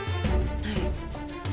はい。